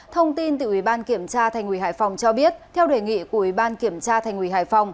thông tin từ ubktnhh cho biết theo đề nghị của ubktnhh